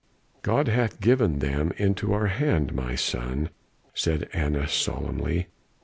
"God hath given them into our hand, my son," said Annas solemnly.